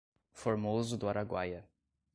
Formoso do Araguaia